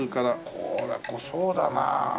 これは濃そうだな。